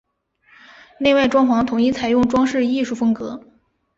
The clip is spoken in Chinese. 内外装潢统一采用装饰艺术风格。